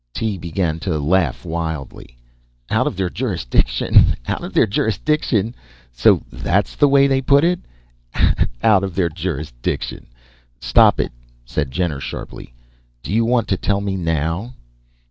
Tee began to laugh wildly. "Out of their jurisdiction! Out of their jurisdiction! So that's the way they put it. Out of their jurisdiction!" "Stop it!" said Jenner, sharply. "Do you want to tell me now?"